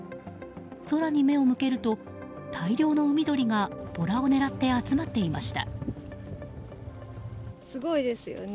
空に目を向けると大量の海鳥がボラを狙って集まっていました。